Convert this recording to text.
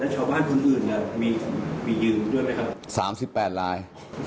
สามสิบแปดลาย